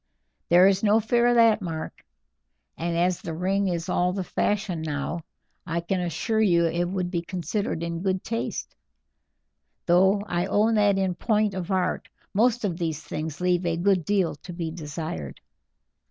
"There is no fear of that, Mark; and as the ring is all the fashion now, I can assure you it would be considered in good taste, though I own that in point of art most of these things leave a good deal to be desired.